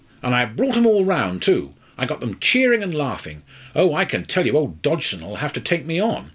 And I brought 'em all round too. I got them cheering and laughing. Oh! I can tell you old Dodgson'll have to take me on.